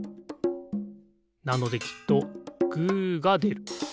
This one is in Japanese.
なのできっとグーがでる。